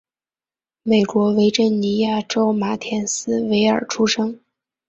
美国维珍尼亚州马田斯维尔出生。